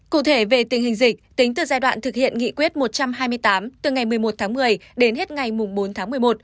cụ thể về tình hình dịch tính từ giai đoạn thực hiện nghị quyết một trăm hai mươi tám từ ngày một mươi một tháng một mươi đến hết ngày bốn tháng một mươi một